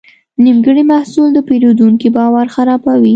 نیمګړی محصول د پیرودونکي باور خرابوي.